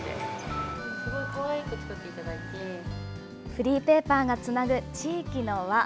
フリーペーパーがつなぐ地域の輪。